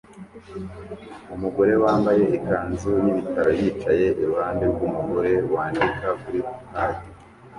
Umugore wambaye ikanzu yibitaro yicaye iruhande rwumugore wandika kuri padi